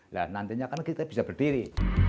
nah nantinya kan kita bisa berdiri